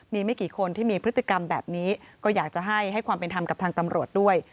มีไม่กี่คนที่มีพฤติกรรมแบบนี้ก็อยากจะให้ความเป็นธรรมกับทางตำรวจด้วย